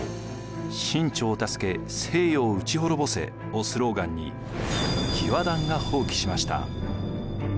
「清朝を助け西洋を討ち滅ぼせ」をスローガンに義和団が蜂起しました。